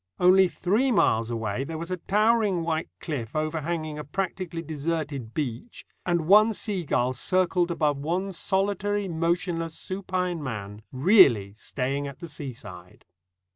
Only three miles away there was a towering white cliff overhanging a practically desert beach; and one seagull circled above one solitary, motionless, supine man, really staying at the seaside.